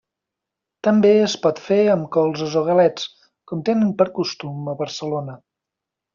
També es pot fer amb colzes o galets, com tenen per costum a Barcelona.